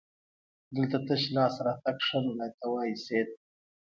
دلته تش لاس راتګ ښه نه راته وایسېد.